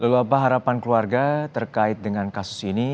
lalu apa harapan keluarga terkait dengan kasus ini